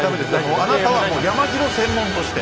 あなたはもう山城専門として。